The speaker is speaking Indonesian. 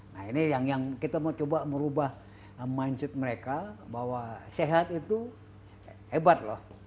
nah ini yang kita mau coba merubah mindset mereka bahwa sehat itu hebat loh